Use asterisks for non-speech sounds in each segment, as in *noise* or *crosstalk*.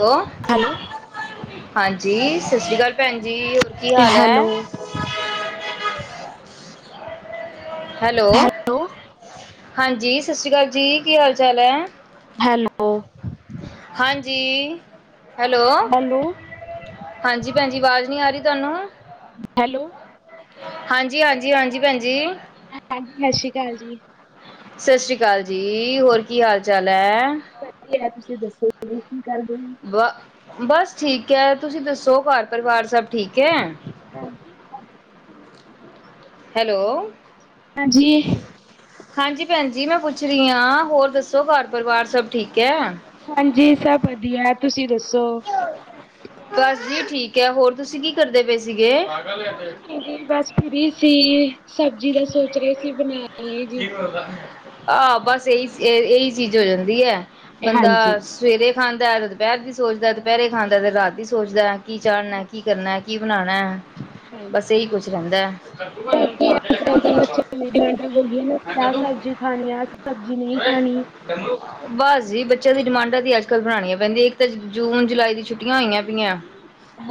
Hello ਹਾਂਜੀ ਸਤਿ ਸ਼੍ਰੀ ਕਾਲ ਭੈਣ ਜੀ ਹੋਰ ਕੀ ਹਾਲ ਹੈਲੋ, ਐ? ਹੈਲੋ ਹਾਂਜੀ ਸਤਿ ਸ਼੍ਰੀ ਕਾਲ ਜੀ ਕੀ ਹਾਲ ਚਾਲ ਐ? ਹੈਲੋ। ਹਾਂਜੀ ਹੈਲੋ ਹੈਲੋ, ਹਾਂਜੀ ਭੈਣਜੀ ਵਾਜ਼ ਨੀ ਆ ਰਈ ਤੁਹਾਨੂੰ। ਹੈਲੋ ਹਾਂਜੀ ਹਾਂਜੀ ਹਾਂਜੀ ਭੈਜੀ ਹਾਂਜੀ ਸਤਿ ਸ਼੍ਰੀ ਅਕਾਲ ਜੀ ਸਤਿ ਸ਼੍ਰੀ ਅਕਾਲ ਜੀ ਹੋਰ ਕੀ ਹਾਲ ਚਾਲ ਹੈ? ਵਧੀਆ ਤੁਸੀਂ ਦੱਸੋ ਤੁਹੀ ਕੀ ਕਰਦੇ ਹੋ? ਬ ਬਸ ਠੀਕ ਹੈ ਤੁਸੀਂ ਦੱਸੋ ਘਰ ਪਰਿਵਾਰ ਸਭ ਠੀਕ ਹੈ? ਹੈਲੋ ਹਾਂਜੀ ਹਾਂਜੀ ਭੈਣ ਜੀ ਮੈਂ ਪੁੱਛ ਰਹੀ ਹਾਂ ਹੋਰ ਦੱਸੋ ਘਰ ਪਰਿਵਾਰ ਸਭ ਠੀਕ ਹੈ? ਹਾਂਜੀ ਸਭ ਵਧੀਆ ਹੈ, ਤੁਸੀਂ ਦੱਸੋ? ਬਸ ਜੀ ਠੀਕ ਹੈ ਹੋਰ ਤੁਸੀਂ ਕੀ ਕਰਦੇ ਪਏ ਸੀਗੇ ਕੁਛ ਨ ਗਈ ਬਸ ਫਰੀ ਸੀ ਸਬਜ਼ੀ ਦਾ ਸੋਚ ਰਹੇ ਸੀ ਬਣਾ ਆਹ ਬਸ ਇਹੀ ਇਹੀ ਚੀਜ਼ ਹੋ ਜਾਂਦੀ ਹੈ ਬੰਦਾ ਹਾਂਜੀ। ਬੰਦਾ ਸਵੇਰੇ ਖਾਂਦਾ ਤੇ ਦੁਪੈਰ ਦੀ ਸੋਚਦਾ ਦੁਪੈਰੇ ਖਾਂਦਾ ਤੇ ਰਾਤ ਦੀ ਸੋਚਦਾ ਹੈ ਕੀ ਚਾੜਨਾ ਕੀ ਕਰਨਾ ਕੀ ਬਣਾਣਾ ਹੈ ਬਸ ਹਾਂਜੀ, ਇਹੀ ਕੁਛ ਰਹਿੰਦਾ ਹੈ ਆ ਸਬਜ਼ੀ ਖਾਣੀ ਅ ਸਬਜ਼ੀ ਨਹੀਂ ਖਾਣੀ ਕੂੰ *unintelligible* ਬਸ ਜੀ ਬੱਚਿਆਂ ਦੀ ਡਿਮਾਂਡਾਂ ਤੇ ਅੱਜ ਕੱਲ ਬਣਾਣੀਆਂ ਪੈਂਦੀਆਂ ਇੱਕ ਤਾਂ ਜੂਨ ਜੁਲਾਈ ਦੀ ਛੁੱਟੀਆਂ ਹੋਈਆਂ ਪਈਆਂ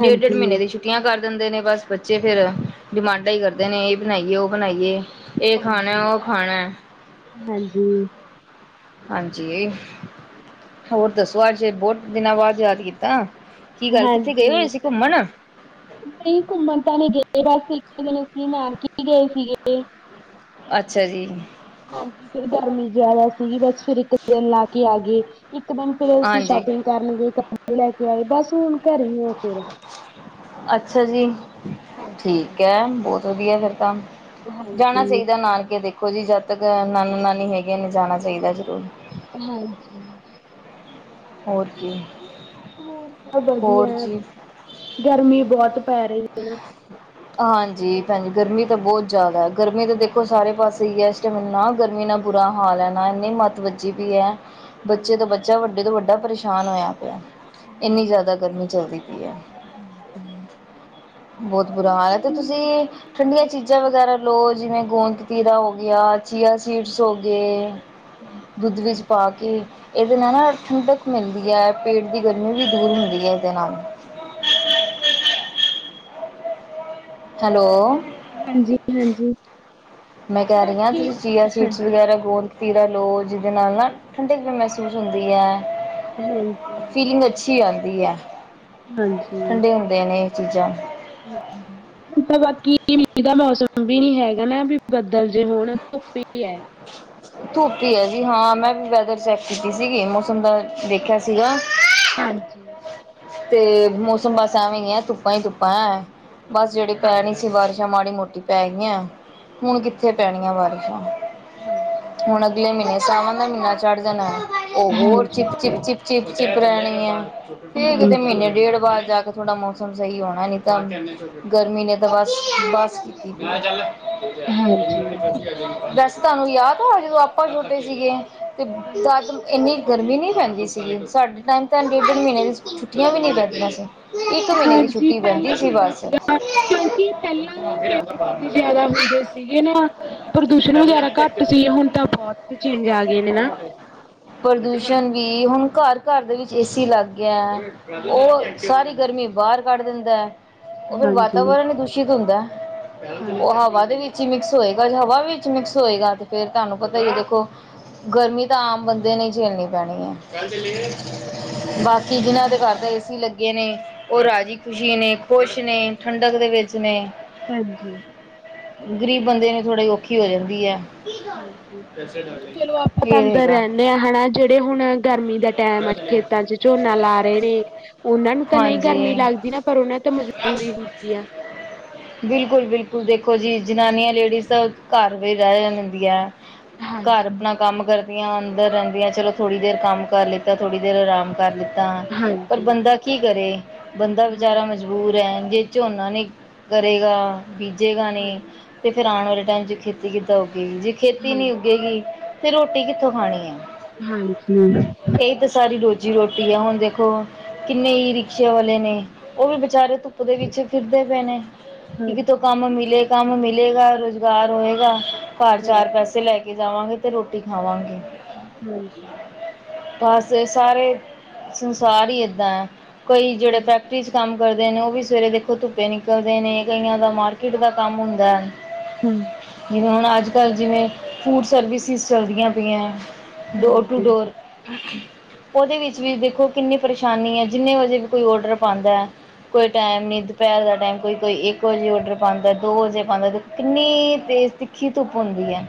ਡੇਢ ਡੇਢ ਮਹੀਨੇ ਦੀ ਛੂਟੀ ਛੁੱਟੀਆਂ ਕਰ ਦਿੰਦੇ ਨੇ ਬਸ ਬੱਚੇ ਫਿਰ, ਡਿਮਾਂਡਾ ਹੀ ਕਰਦੇ ਨੇ ਇਹ ਬਣਾਈਏ ਉਹ ਬਣਾਈਏ। ਇਹ ਖਾਣਾ ਹਾਂਜੀ ਉਹ ਖਾਣਾ ਹਾਂਜੀ ਹਾਂਜੀ ਹੋਰ ਦੱਸੋ ਅੱਜ ਬੋਤ ਦਿਨਾਂ ਬਾਅਦ ਯਾਦ ਕੀਤਾ ਕੀ ਗੱਲ ਕਿੱਥੇ ਗਏ ਹਾਂਜੀ ਹੋਏ ਸੀ ਘੁੰਮਣ ਨਹੀਂ ਘੁੰਮਣ ਤਾਂ ਨੀ ਗਏ ਬਸ ਇੱਕ ਦਿਨ ਅਸੀ ਨਾਨਕੇ ਗਏ ਸੀਗੇ ਅੱਛਾ ਜੀ ਹਾਂਜੀ ਫਿਰ ਗਰਮੀ ਜਿਆਦਾ ਸੀਗੀ ਬਸ ਫਿਰ ਇੱਕ ਦਿਨ ਲਾ ਕੇ ਆ ਗਏ ਇੱਕ ਦਿਨ ਫੇਰ ਅਸੀਂ ਹਾਂਜੀ ਸ਼ੌਪਿੰਗ ਕਰਨ ਗਏ ਕੱਪੜੇ ਲੈਕੇ ਆਏ, ਬਸ ਹੁਣ ਘਰੇ ਹੀ ਆਂ ਫਿਰ। ਅੱਛਾ ਜੀ ਹਾਂਜੀ ਠੀਕ ਹੈ ਬੋਤ ਵਧੀਆ ਫਿਰ ਤਾਂ ਜਾਣਾ ਹਾਂਜੀ ਚਾਹੀਦਾ ਨਾਨਕੇ ਦੇਖੋ ਜੀ ਜਦ ਤੱਕ ਨਾਨਾ ਨਾਨੀ ਹੈਗੇ ਨੇ ਜਾਣਾ ਚਾਹੀਦਾ ਹਾਂਜੀ ਹੋਰ ਕੀ ਹੋਰ ਸਭ ਵਧੀਆ ਹੋਰ ਜੀ ਗਰਮੀ ਬੋਤ ਪੈ ਰਹੀ ਏਨਾ ਹਾਂਜੀ ਭੈਣਜੀ ਗਰਮੀ ਤਾਂ ਬੋਤ ਜ਼ਿਆਦਾ ਗਰਮੀ ਤਾਂ ਦੇਖੋ ਸਾਰੇ ਪਾਸੇ ਹੀ ਹੈ ਇਸ ਟੈਮ ਨਾ ਗਰਮੀ ਨਾਲ ਬੁਰਾ ਹਾਲ ਹੈ ਨਾ ਇੰਨੀ ਮੱਤ ਵੱਜੀ ਵੀ ਹੈ ਬੱਚੇ ਤੋਂ ਹਾਂਜੀ ਬੱਚਾ ਵੱਡੇ ਤੋਂ ਵੱਡਾ ਪਰੇਸ਼ਾਨ ਹੋਇਆ ਪਿਆ ਇੰਨੀ ਜ਼ਿਆਦਾ ਗਰਮੀ ਚੱਲਦੀ ਪਈ ਹੈ ਹ ਜ *unintelligible* ਬੋਤ ਬੁਰਾ ਹਾਲ ਹੈ ਤੇ ਦਾ ਤੁਸੀਂ ਵੀ ਠੰਡੀਆਂ ਚੀਜ਼ਾਂ ਮੌਸਮ ਵਗੈਰਾ ਲੋ ਜਿਵੇਂ ਗੂੰਦ-ਕਤੀਰਾ ਹੋ ਗਿਆ, ਚੀਆ ਸੀਡਸ ਹੋ ਗਏ ਹਮ *unintelligible* ਦੁੱਧ ਵਿੱਚ ਪਾ ਕੇ ਇਹਦੇ ਨਾਲ ਨਾ ਠੰਡਕ ਮਿਲਦੀ ਹੈ ਪੇਟ ਦੀ ਗਰਮੀ ਵੀ ਦੂਰ ਹੁੰਦੀ ਹੈ ਇਹਦੇ ਨਾਲ ਹਮ ਹਮ *unintelligible* ਹੈਲੋ ਹਾਂਜੀ ਹਾਂਜੀ ਮੈਂ ਕਹਿ ਰਹੀ ਹਾਂ ਬਾਕੀ ਤੁਸੀਂ ਚੀਆ ਹਾਂ ਸੀਡਸ ਵਗੈਰਾ ਗੋਲ ਕੇ ਖੀਰਾ ਲਓ ਜਿਹਦੇ ਨਾਲ ਨਾ, ਠੰਡਕ ਵੀ ਮਹਿਸੂਸ ਹੁੰਦੀ ਹੈ ਹਾਂਜੀ ਫੀਲਿੰਗ ਅੱਛੀ ਆੰਦੀ ਹੈ। ਠੰਡੇ ਹੁੰਦੇ ਨੇ ਇਹ ਚੀਜ਼ਾਂ ਹਮ ਹੁਣ ਤਾਂ ਬਾਕੀ ਦਾ, ਮੌਸਮ ਵੀ ਨੀ ਹੈਗਾ ਨਾ ਵੀ ਬੱਦਲ ਜੇ ਹੋਣ, ਧੁੱਪ ਹੀ ਹੈ। ਧੂਪੀ ਹੈ ਜੀ, ਹਾਂ ਮੈਂ ਵੀ ਵੈਦਰ ਚੈੱਕ ਕੀਤੀ ਸੀਗੀ, ਮੌਸਮ ਦਾ ਦੇਖਿਆ ਸੀਗਾ। ਹਾਂਜੀ ਤੇ ਮੌਸਮ ਬਸ ਐਵੇਂ ਹੀ ਹੈ, ਤੁੁੱਪਾ ਹੀ ਤੁੁੱਪਾ ਹੈ, ਬਸ ਜਿਹੜੀ ਹਾਂ ਪੈਣੀ ਸੀ ਬਾਰਿਸ਼ ਹੁਣ ਮਾੜੀ ਮੋਟੀ ਪੈ ਗਈਆਂ, ਹੁਣ ਕਿੱਥੇ ਹਾਂਜੀ ਹਾਂਜੀ ਪੈਣੀਆਂ ਬਾਰਿਸ਼ਾਂ। ਹਾਂਜੀ ਹੁਣ ਅਗਲੇ ਮਹੀਨੇ, ਸਾਵਣ ਦਾ ਮਹੀਨਾ ਚੜ ਜਾਣਾ ਹੈ। ਉਹ ਹੋਰ ਹਾਂਜੀ ਚਿਪ-ਚਿਪ-ਚਿਪ ਚਿਪ, ਚਿਪ ਰਹਿਣੀ ਆ। ਹਾਂ ਮੀਨੇ ਡੇਢ ਬਾਦ ਜਾ ਕੇ ਥੋੜਾ ਮੌਸਮ ਸਹੀ ਹੋਣਾ, ਨੀ ਤਾਂ ਗਰਮੀ ਨੇ ਤਾਂ ਬਸ, ਬਸ ਕੀਤੀ ਹਾਂਜੀ ਵੈਸੇ ਤੁਹਾਨੂੰ ਯਾਦ ਆ, ਜਦੋਂ ਆਪਾਂ ਛੋਟੇ ਸੀਗੇ ਤੇ ਤਦ, ਇੰਨੀ ਗਰਮੀ ਨਹੀਂ ਪੈਂਦੀ ਸੀਗੀ। ਸਾਡੇ ਟਾਇਮ ਤਾਂ ਮਹੀਨੇ ਦੀ ਛੁੱਟੀਆਂ ਵੀ ਨੀ ਪੈਂਦੀਆਂ ਸੀ। ਇੱਕ ਮਹੀਨੇ ਦੀ ਹਾਂਜੀ ਛੁੱਟੀ ਪਹਿਲਾਂ ਪੈਂਦੀ ਸੀ ਹੁੰਦਾ ਬਸ ਸੀਗਾ, ਕਿਉਂਕਿ ਪਹਿਲਾਂ, ਪੇੜ ਬਾਹਰ ਪੌਦੇ ਨਾਲੇ ਜ਼ਿਆਦਾ ਹੁੰਦੇ ਸੀ। ਠੀਕ ਏ ਨਾ, ਪ੍ਰਦੂਸ਼ਣ ਪੈਦਲ ਵਗੈਰਾ ਜਾਣਾ ਕਿ ਘੱਟ ਐਕਟਿਵ ਤੇ ਸੀ। ਹੁਣ ਤਾਂ ਬਹੁਤ ਚੇਂਜ, ਆ ਗਏ ਨੇ ਨਾ। ਜਾਣਾ ਪ੍ਰਦੂਸ਼ਣ ਵੀ, ਹੁਣ ਘਰ-ਘਰ ਦੇ ਵਿੱਚ ਏ ਸੀ ਲੱਗ ਗਿਆ। ਉਹ, ਹਾਂਜੀ ਸਾਰੀ ਗਰਮੀ ਬਾਹਰ ਕੱਢ ਦਿੰਦਾ। ਉਹ ਫੇਰ ਹਾਂਜੀ ਵਾਤਾਵਰਨ ਹੀ ਦੂਸ਼ਿਤ ਹੁੰਦਾ, ਉਹ ਹਾਂਜੀ ਹਵਾ ਦੇ ਵਿੱਚ ਵਿੱਚ ਹੀ ਮਿਕਸ ਹੋਏਗਾ, ਜੇ ਹਵਾ ਵਿੱਚ ਮਿਕਸ ਹੋਏਗਾ ਤੇ ਫੇਰ, ਤੁਹਾਨੂੰ ਪਤਾ ਹੀ ਦੇਖੋ ਗਰਮੀ ਤਾਂ, ਆਮ ਬੰਦੇ ਨੇ ਝੇਲਣੀ ਪੈਣੀ ਆ। ਹਾਂਜੀ ਬਾਕੀ ਜਿਨ੍ਹਾਂ ਦੇ ਘਰ ਤਾਂ, ਏ ਸੀ ਲੱਗੇ ਨੇ ਉਹ ਰਾਜੀ ਖ਼ੁਸ਼ੀ ਨੇ, ਖੁਸ਼ ਨੇ, ਠੰਡਕ ਦੇ ਵਿੱਚ ਨੇ। ਹਾਂਜੀ। ਗ਼ਰੀਬ ਬੰਦੇ ਨੂੰ ਥੋੜ੍ਹੀ, ਔਖੀ ਹੋ ਜਾਂਦੀ ਐ। ਹਾਂਜੀ। ਚਲੋ, ਆਪਾਂ ਤਾਂ ਅੰਦਰ ਹੈਗਾ ਰਹਿਣੇ ਆ ਹਨਾ। ਜਿਹੜੇ ਹੁਣ ਗਰਮੀ ਦਾ ਟੈਮ ਆ, ਖੇਤਾਂ 'ਚ ਝੋਨਾ ਲਾ ਰਹੇ ਨੇ, ਉਹਨਾਂ ਨੂੰ ਤਾਂ ਨਹੀਂ ਗਰਮੀ ਹਾਂਜੀ ਲੱਗਦੀ ਨਾ, ਪਰ ਉਹਨਾਂ ਤਾਂ ਮਜਬੂਰੀ ਹੁੰਦੀ ਆ। ਬਿਲਕੁਲ ਬਿਲਕੁਲ, ਦੇਖੋ ਜੀ ਜਨਾਨੀਆਂ ਲੇਡੀਜ਼ ਤਾਂ, ਘਰ ਵੀ ਰਹਿ ਜਾਂਦੀਆਂ। ਘਰ ਹਾਂਜੀ। ਆਪਣਾ ਕੰਮ ਕਰਦੀਆਂ, ਅੰਦਰ ਰਹਿੰਦੀਆਂ, ਚਲੋ ਥੋੜ੍ਹੀ ਦੇਰ ਕੰਮ ਕਰ ਲਿੱਤਾ, ਥੋੜ੍ਹੀ ਦੇਰ ਆਰਾਮ ਕਰ ਲਿੱਤਾ। ਪਰ ਹਾਂਜੀ ਬੰਦਾ ਕੀ ਕਰੇ, ਬੰਦਾ ਹਾਂਜੀ ਵਿਚਾਰਾ ਹਾਂਜੀ ਮਜ਼ਬੂਰ ਐ। ਜੇ ਝੋਨਾ ਨਹੀਂ ਕਰੇਗਾ ਬੀਜੇਗਾ ਨੀ, ਹਾਂਜੀ। ਤੇ ਫੇਰ ਆਣ ਵਾਲੇ ਟਾਈਮ 'ਚ ਖੇਤੀ ਕਿੱਦਾਂ ਉੱਗੇਗੀ, ਜੇ ਹਾਂਜੀ ਖੇਤੀ ਨੀ ਹਾਂਜੀ ਉੱਗੇਗੀ ਤੇ ਰੋਟੀ ਕਿੱਥੋਂ ਖਾਣੀ ਐ। ਹਾਂਜੀ। ਇਹ ਤਾਂ ਸਾਰੀ ਰੋਜ਼ੀ ਰੋਟੀ ਆ, ਹੁਣ ਦੇਖੋ ਕਿੰਨੇ ਈ ਰਿਕਸ਼ੇ ਵਾਲੇ ਨੇ, ਉਹ ਵੀ ਵਿਚਾਰੇ ਤੁੱਪ ਵਿੱਚ ਫਿਰਦੇ ਪਏ ਨੇ, ਹਾਂਜੀ। ਕਿ ਕਿਤੋਂ ਹਾਂਜੀ ਕੰਮ ਮਿਲੇ, ਕੰਮ ਮਿਲੇਗਾ ਰੁਜ਼ਗਾਰ ਹੋਏਗਾ, ਘਰ ਚਾਰ ਹਾਂਜੀ। ਪੈਸੇ ਲੈ ਕੇ ਕੇ ਜਾਵਾਂਗੇ, ਤੇ ਰੋਟੀ ਖਾਵਾਂਗੇ। ਬਸ ਸਾਰੇ ਸੰਸਾਰ ਹੀ ਏਦਾਂ ਐ, ਕੋਈ ਜਿਹੜੇ ਫੈਕ ਫੈਕਟਰੀ 'ਚ ਕੰਮ ਕਰਦੇ ਨੇ, ਉਹ ਵੀ ਸਵੇਰੇ ਦੇਖੋ ਧੁੱਪੇ ਨਿਕਲਦੇ ਨੇ, ਕਈਆਂ ਦਾ ਮਾਰਕੀਟ ਦਾ ਕੰਮ ਹੁੰਦਾ। ਹੂ। ਜਿਵੇਂ ਹੁਣ ਅੱਜ-ਕੱਲ੍ਹ ਜਿਵੇਂ, ਫੂਡ ਸਰਵਿਸਿਸ ਚਲਦੀਆਂ ਪਈਆਂ ਡੋਰ ਟੂ ਡੋਰ, ਉਹਦੇ ਵਿੱਚ ਵੀ ਦੇਖੋ ਕਿੰਨੇ ਪਰੇ ਪਰੇਸ਼ਾਨੀ ਏ, ਜਿੰਨੇ ਵਜੇ ਵੀ ਕੋਈ ਔਡਰ ਪਾਂਦੈ ਕੋਈ ਟਾਈਮ ਨਹੀਂ ਦੁਪਹਿਰ ਦਾ ਟਾਈਮ, ਕੋਈ-ਕੋਈ ਇੱਕ ਵਜੇ ਔਰਡਰ ਪਾਂਦਾ, ਦੋ ਵਜੇ ਪਾਂਦਾ ਕਿੰਨੀ ਤੇਜ਼ ਤਿੱਖੀ ਧੁੱਪ ਹੁੰਦੀ ਐ,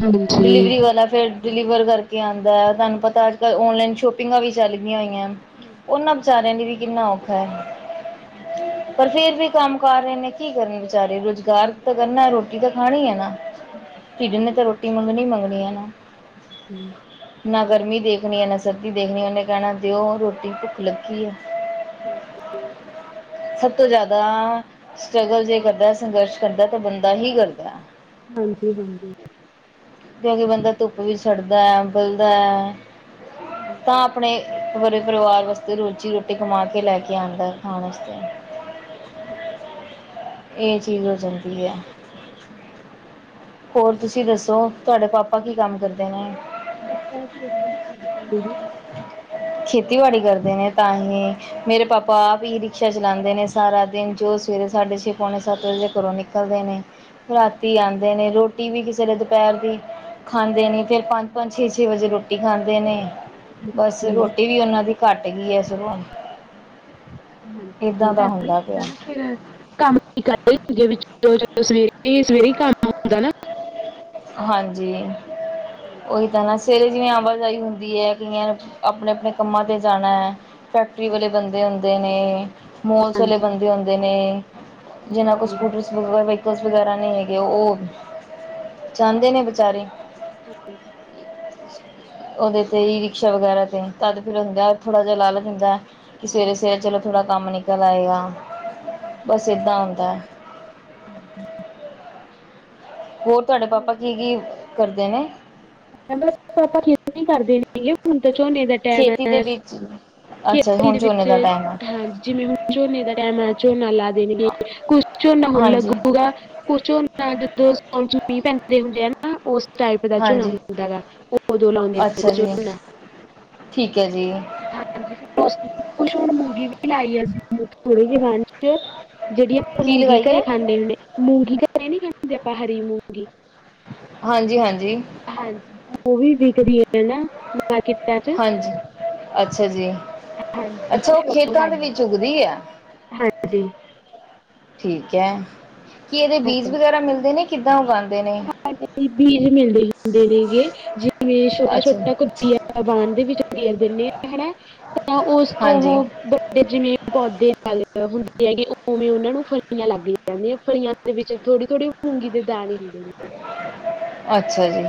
ਹਾਂਜੀ ਡਿਲੀਵਰੀ ਵਾਲਾ ਫਿਰ ਡਿਲੀਵਰ ਕਰਕੇ ਆਂਦਾ ਐ, ਤੁਹਾਨੂੰ ਪਤਾ ਅੱਜ-ਕੱਲ ਓਨਲਾਈਨ ਸ਼ੋਪਿੰਗਾਂ ਵੀ ਚੱਲ ਗਈਆਂ ਹੋਈਆਂ। ਉਹਨਾਂ ਵਿਚਾਰਿਆਂ ਲਈ ਵੀ ਕਿੰਨਾ ਔਖਾ ਐ। ਪਰ ਫੇਰ ਵੀ ਕੰਮ ਕਰ ਰਹੇ ਨੇ, ਕੀ ਕਰਨ ਵਿਚਾਰੇ, ਰੁਜ਼ਗਾਰ ਤਾਂ ਕਰਨਾ ਐ ਰੋਟੀ ਤਾਂ ਖਾਣੀ ਐ ਨਾ। ਢਿੱਡ ਨੇ ਤਾ ਰੋਟੀ ਮੰਗਣੀ-ਮੰਗਣੀ ਐ ਨਾ। ਹੂੰ। ਨਾ ਗਰਮੀ ਦੇਖਣੀ ਐ, ਨਾ ਸਰਦੀ ਦੇਖਣੀ, ਉਹਨੇ ਕਹਿਣਾ ਦਿਓ ਰੋਟੀ ਭੁੱਖ ਲੱਗੀ ਐ। ਸਭ ਤੋਂ ਜ਼ਿਆਦਾ, ਸਟਰਗਲ ਜੇ ਕਰਦਾ ਸੰਘਰਸ਼ ਕਰਦਾ ਤਾ ਬੰਦਾ ਹੀ ਕਰਦਾ। ਹਾਂਜੀ-ਹਾਂਜੀ। ਕਿਉਂਕਿ ਬੰਦਾ ਧੁੱਪ ਵਿਚ ਸੜਦਾ ਐ, ਬਲਦਾ ਐ। ਹੂ ਤਾ ਆਪਣੇ, ਵਰੇ ਪਰਿਵਾਰ ਵਾਸਤੇ ਰੋਜ਼ ਰੋਟੀ ਕਮਾਕੇ ਲੈਕੇ ਆਂਦਾ ਏ, ਖਾਣ ਵਾਸਤੇ। *unintelligible* ਏ ਚੀਜ਼ ਹੋ ਜਾਂਦੀ ਐ। *inaudible* ਹੋਰ ਤੁਸੀਂ ਦੱਸੋ, ਤੁਹਾਡੇ ਪਾਪਾ ਕੀ ਕੰਮ ਕਰਦੇ ਨੇ? *unintelligible* ਖੇਤੀ-ਬਾੜੀ ਕਰਦੇ ਨੇ ਤਾਂ ਹੀ, ਮੇਰੇ ਪਾਪਾ ਪਾ ਵੀ ਰਿਕਸ਼ਾ ਚਲਾਂਦੇ ਨੇ ਸਾਰਾ ਦਿਨ, ਜੋ ਸਵੇਰੇ ਸਾਢੇ-ਛੇ ਪੌਣੇ ਸੱਤ ਵਜੇ ਘਰੋਂ ਨਿਕਲਦੇ ਨੇ। ਰਾਤੀ ਆਂਦੇ ਨੇ, ਰੋਟੀ ਵੀ ਕਿਸੇ ਦੇ ਦੁਪਹਿਰ ਦੀ ਖਾਂਦੇ ਨੇ, ਫੇਰ ਪੰਜ-ਪੰਜ, ਛੇ-ਛੇ ਵਜੇ ਰੋਟੀ ਖਾਂਦੇ ਨੇ। ਬਸ, ਅੱਛਾ। ਰ੍ਹੋਟੀ ਵੀ ਉਹਨਾਂ ਦੀ ਘੱਟ ਗਈ ਏ ਸਗੋਂ। ਹਾਂਜੀ ਏਦਾਂ ਦਾ ਐਵੇਂ ਹੁੰਦਾ ਪਿਆ। ਨਾ *unintelligible* ਹਾਂਜੀ। ਹਾਂਜੀ ਉਹੀ ਤਾ‌ ਨਾ, ਸਵੇਰੇ ਜਿਂਵੇ ਆਵਾਜਾਈ ਹੁੰਦੀ ਏ, ਕਈਆਂ ਨੇ ਅਪਣੇ-ਅਪਣੇ ਕੰਮਾਂ ਤੇ ਜਾਣਾ। ਫੈਕਟਰੀ ਵਾਲੇ ਬੰਦੇ ਹੁੰਦੇ ਨੇ, ਮੌਲਸ ਵਾਲੇ ਹਾਂਜੀ ਬੰਦੇ ਹੁੰਦੇ ਨੇ। ਹਾਂਜੀ ਉਹ ਸਕੂਟਰਸ ਵਗੈ, ਵਹੀਕਲਸ ਵਗੈਰਾ ਨਹੀਂ ਹੈਗੇ, ਉਹ ਜਾਂਦੇ ਨੇ ਵਚਾਰੇ। ਹਰ *inaudible* ਉਹਦੇ ਤੇ ਈ ਰਿਕਸ਼ਾ ਵਗੈਰਾ ਤੇ, ਤਦ ਫਿਰ ਹੁੰਦੈ ਥੋੜਾ ਜਿਹਾ ਲਾਲਚ ਹੁੰਦਾ। ਕਿ ਸਵੇਰੇ-ਸਵੇਰੇ ਚਲੋ ਥੋੜ੍ਹਾ ਕੰਮ ਨਿਕਲ ਆਏਗਾ, ਬਸ ਏਦਾਂ ਹੁੰਦਾ। ਹੂੰ, ਹੂੰ ਹੋਰ, ਤੁਹਾਡੇ ਪਾਪਾ ਕੀ-ਕੀ ਕਰਦੇ ਨੇ? ਪਾਪਾ ਠੀਕ ਨੀ ਕਰਦੇ ਹੈਗੇ, ਹੁਣ ਤੇ ਝੋਨੇ ਦਾ ਖੇਤੀ ਦੇ *unintelligible* ਵਿੱਚ ਅੱਛਾ ਖੇਤੀ ਹੁਣ ਦੇ ਝੋਨੇ ਵਿੱਚ ਦਾ ਟਾਈਮ ਆ ਹਾਂ, ਜਿਵੇਂ ਹੁ ਝੋਨੇ ਦਾ ਟੈਮ ਆਇਆ, ਝੋਨਾ ਲਾ ਦੇਣਗੇ ਕੁੱਛ ਝੋਨਾ ਹੁਨ ਹਾਂਜੀ ਲੱਗੂਗਾ। ਕੁੱਛ ਝੋਨਾ ਜਦੋਂ ਸੌਣ'ਚ ਮੀਂਹ ਪੈਂਦੇ ਹੁੰਦੇ ਆ, ਨਾ ਉਸ ਟਾਈਪ ਦਾ ਝੂਨਾ ਹਾਂਜੀ ਹੁੰ ਹੁੰਦਾ ਵਾ ਉਹ ਉਦੋਂ ਲਾਉਂਦੇ ਨੇ ਅੱਛਾ ਕੁੱਛ ਜੀ ਝੋਨਾ। ਠੀਕ ਹੈ ਜੀ ਹਾਂਜੀ ਫਿਰ। ਕੁੱਛ ਹੁਣ ਮੂੰਗੀ ਵੀ ਲਾਈ ਹੈ ਅਸੀ ਥੋੜੀ ਜੀ। ਉਹ ਕੀ ਮੂੰਗੀ ਲਗਾਈ ਘਰੇ ਹੈ ਖਾਂਦੇ ਵੀ ਨੇ ਮੂੰਗੀ ਘਰੇ ਨੀ ਖਾਂਦੇ ਆਪਾਂ ਹਰੀ ਮੂੰਗੀ। ਹਾਂਜੀ ਹਾਂਜੀ। ਹਾਂਜੀ ਉਹ ਵੀ ਵਿਕਦੀਆਂ ਨੇ ਨਾ ਮਾਰਕੀਟਾਂ ਚ। ਅੱਛਾ ਜੀ ਹਾਂਜੀ ਅੱਛਾ ਉਹ ਕੁਛ ਖੇਤਾਂ ਦੇ ਵੀ ਉਗਦੀ ਹੈ। ਜੀ। ਠੀਕ ਹੈ। ਕੀ ਇਹਦੇ ਬੀਜ ਵਗੈਰਾ ਮਿਲਦੇ ਨੇ ਕਿੱਦਾਂ ਉਗਾਂਦੇ ਨੇ। ਹਾਂਜੀ ਬੀਜ ਮਿਲਦੇ ਹੁੰਦੇ ਨੇਗੇ ਜਿਵੇਂ ਅੱਛਾ ਛੋਟਾ-ਛੋਟਾ। ਬਾਨ ਦੇ ਵਿੱਚ ਗੇਰ ਦਿੰਦੇ ਹਨਾ ਤਾਂ ਉਸ ਤੋਂ ਹਾਂਜੀ ਉਹ। ਜਿਵੇਂ ਪੌਦ ਹੁੰਦੇ ਹੈਗੇ ਉਵੇਂ ਉਹਨਾਂ ਨੂੰ ਫਲੀਆਂ ਲੱਗ ਜਾਂਦੀਆਂ ਫਲੀਆਂ। ਉਹਦੇ ਵਿੱਚ ਥੋੜੀ ਥੋੜੀ ਮੂੰਗੀ ਦੇ ਦਾਨੇ ਹੂ। ਅੱਛਾ ਜੀ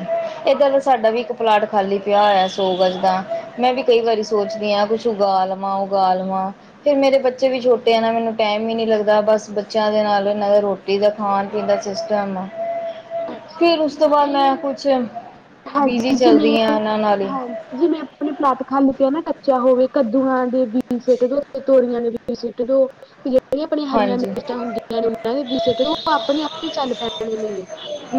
ਏਦਾਂ ਦਾ ਹਾਂਜੀ ਸਾਡਾ ਵੀ ਇੱਕ ਪਲਾਟ। ਖਾਲੀ ਪਿਆ ਹੋਇਆ ਸੋ ਗਾਜ ਦਾ। ਮੈਂ ਵੀ ਕਈ ਵਾਰੀ ਸੋਚਦੀ ਆਂ ਕੁੱਛ ਉਗਾ ਲਵਾਂ ਉਗਾ ਲਵਾਂ। ਫਿਰ ਮੇਰੇ ਬੱਚੇ ਵੀ ਛੋਟੇ ਏ ਨਾ ਮੈਨੂੰ ਟਾਈਮ ਵੀ ਨੀ ਲੱਗਦਾ ਬਸ ਬੱਚਿਆਂ ਦੇ ਨਾਲ ਇਹਨਾਂ ਦੇ ਰੋਟੀ। ਰੋਟੀ ਦਾ ਖਾਣ ਪੀਣ ਦਾ ਸਿਸਟਮ ਏ। ਅੱਛਾ ਨਹੀਂ ਕੁਛ ਬੀਜੀ ਹਾਂਜੀ ਚਲਦੀ ਆ ਜਿਵੇਂ ਉਹਨਾਂ ਨਾਲ ਹੀ ਹਾਂਜੀ ਜਿਵੇਂ ਆ। ਆਪਣੀ ਪਲਾਟ ਖੱਲੀ ਪਿਆ ਨਾ ਕੱਚਾ ਹੋਵੇ ਕੱਦੂਆਂ ਦੇ ਬੀ ਸਿੱਟ ਦੋ ਤੇ ਤੋਰੀਆਂ ਦੇ ਬੀ ਸਿੱਟ ਦੋ। ਤੇ ਜਿਹੜੀਆਂ ਆਪਣੀਆਂ ਹਰੀਆਂ ਹਾਂਜੀ ਮਿਰਚਾਂ ਹੁੰਦੀਆਂ ਨੇ ਉਹਨਾਂ ਆਪਣੇ ਆਪ ਹੀ ਚੱਲ ਪੈਣੇ ਨੇ।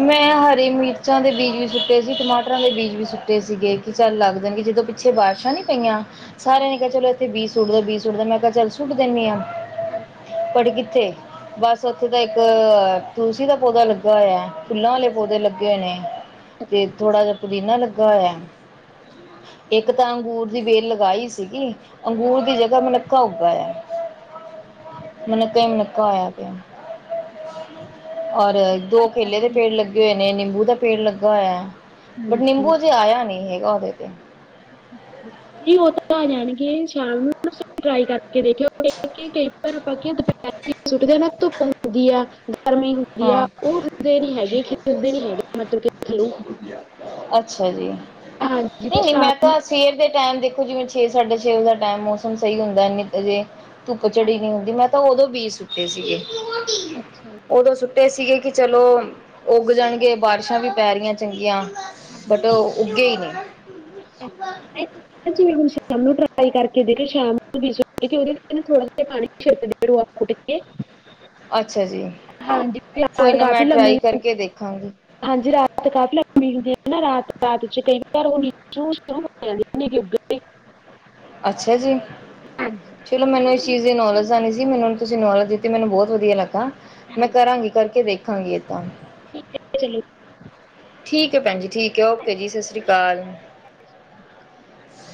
ਮੈਂ ਹਰੀ ਮਿਰਚਾਂ ਦੇ ਬੀਜ ਵੀ ਸੁੱਟੇ ਸੀ ਟਮਾਟਰਾਂ ਦੇ ਬੀਜ ਵੀ ਸੁੱਟੇ ਸੀਗੇ ਕਿ ਚੱਲ ਲੱਗ ਜਾਣਗੇ ਜਦੋਂ ਧਿ। ਪਿੱਛੇ ਬਾਰਿਸ਼ਾਂ ਨਹੀਂ ਪਈਆਂ ਸਾਰਿਆਂ ਨੇ ਹਾਂਜੀ ਕਿਹਾ ਚਲੋ ਇੱਥੇ ਬੀਜ ਸੁੱਟਦੋ ਬੀਜ ਸੁੱਟਦੋ ਮੈਂ ਕਿਹਾ ਚੱਲ ਸੁੱਟ ਦੇਣੀ ਹਾਂ। ਹਾਂਜੀ। ਬਟ ਕਿੱਥੇ ਬਸ ਉੱਥੇ ਤਾਂ ਇੱਕ ਤੁਲਸੀ ਦਾ ਪੌਦਾ ਲੱਗਾ ਹੋਇਆ। ਫੁੱਲਾਂ ਵਾਲੇ ਅੱਛਾ ਪੌਦੇ ਲੱਗੇ ਹੋਏ ਨੇ ਅੱਛਾ ਤੇ ਥੋੜਾ ਜਿਹਾ ਪੁਦੀਨਾ ਲੱਗਾ ਹੋਇਆ। ਇੱਕ ਤਾਂ ਅੰਗੂਰ ਦੀ ਬੇਲ ਲਗਾਈ ਸੀਗੀ, ਅੰਗੂਰ ਦੀ ਜਗਾ ਮਨੱਕਾ ੳਗ ਆਯਾ। ਮਨੱਕਾ ਹੀ ਮਨੱਕਾ ਹੋਇਆ ਪੇਆ, ਨਹੀਂ ਤੁਸੀਂ ਨਾ ਔਰ ਸ਼ਾਮ ਨੂੰ ਦੋ ਟਰਾਈ ਕੇਲੇ ਕਰਕੇ ਦੇ ਪੇੜ ਦੇਖਿਓ ਲਗ ਨੇ ਨਿੰਬੂ ਦਾ ਪੇੜ ਲੱਗਾ ਹੋਇਆ। ਬਟ ਹਾਂਜੀ ਨਿੰਬੂ ਹਜੇ ਆਇਆ ਨਹੀਂ ਹੈਗਾ ਉਹਦੇਤੇ। ਨੀ, ਓ ਤਾਂ ਆ ਜਾਣਗੇ। ਸ਼ੀਆਮ ਨੂੰ ਸੀ ਟਰਾਈ ਕਰਕੇ ਵੇਖਿਓ ਗੇ। ਠੀਕ ਏ? ਆਪ ਦੁਪਹਿਰ ਸੁੱਟਦੇ ਨਾ ਧੁੱਪ ਹੁੰਦੀ ਆ ਗਰਮੀ। ਵਧੀਆ, ਹਾਂ ਉਹ ਉਠਦੇ ਨੀ ਹੈਗੇ, ਖੇਡਦੇ ਨੀ ਹੈਗੇ, ਮਤਲਬ ਕਿ ਲੂ ਅੱਛਾ ਜੀ ਹਾਂਜੀ ਤੇ ਨਹੀਂ ਨਹੀਂ ਸ਼ਾ ਮੈਂ ਤਾਂ ਸਵੇਰ ਦੇ ਟੈਮ ਦੇਖੋ, ਜਿਵੇਂ ਛੇ-ਸਾਡੇ ਛੇ ਦਾ ਟੈਮ ਮੌਸਮ ਸਹੀ ਹੁੰਦਾ। ਨੀੇਤ ਜੇ। ਧੁੱਪ ਚੜੀ ਨੀ ਹਾਂਜੀ ਹੁੰਦੀ, ਮੈ ਤਾਂ ਓਦੋ ਬੀ ਸੁੱਤੇ ਸੀਗੇ। ਅੱਛਾ। ਦੋਂ ਸੁਤੇ ਸੀਗੇ ਕੀ ਚਲੋ, ਉਗ ਜਾਏਗੇਂ ਬਾਰੀਸ਼ਾ ਵੀ ਪੈ ਰੀਐ ਚੰਗੀਆਂ। ਬਟ ਓ ਉਗੇ ਹੀ ਨੇ। ਜਿਵੇ ਹੁਣ ਸ਼ਾਮ ਨੂੰ ਟਰਾਈ ਕਰਕੇ ਦੇਖਿਓ, ਜੇ ਸ਼ਾਮ ਨੂੰ ਉਹਦੇ ਥੋੜਾ ਜਿਹਾ ਪਾਣੀ। ਖੇਡਦੇ ਡ ਡੂਆ ਊਤੇ। ਅੱਛਾ ਜੀ ਹਾਂਜੀ ਕੋਈ ਤੇਆਰ ਨਾ ਕਾਫੀ ਮੈਂ ਟਰਾਈ ਲੰਮੀਏ। ਕਰਕੇ ਦੇਖਾਂਗੀ ਹਾਂਜੀ ਰਾਤ ਕਾ ਲਈ ਮਿਲੁੰਦੀ ਹੈਨਾ ਰਾਤ ਰਾਤ ਚ ਕਈ ਵਾਰ ਹੋਈ। ਸ਼ੁ ਸ਼ੁਰੂ ਹੋਐ ਇ ਨਿਗ ਊਗ ਰਿ। ਅੱਛਾ ਜੀ। ਹਾਂਜੀ। ਚਲੋ ਮੈਨੂੰ ਇਸ ਚੀਜ਼ ਦੀ ਨੋਲਜ਼ ਹੈਨੀ ਸੀ, ਮੈਨੂੰ ਤੁਸੀ ਨੋਲਜ਼ ਦਿੱਤੀ ਮੈਨੂੰ ਬੋਤ ਵਧੀਆ ਲੱਗਾ। ਮੈ ਕਰਾਂਗੀ, ਕਰਕੇ ਵੇਖਾਂਗੀ ਏਦਾਂ। ਠੀਕ ਹੈ, ਚਲੋ। ਠੀਕ ਹੈ, ਭੈਨ ਜੀ। ਠੀਕ ਹੈ, ਓਕੇ ਜੀ। ਸਸਰੀ ਕਾਲ। ੲਸ- *unintelligible*